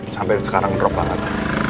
sampai sekarang ngedrop banget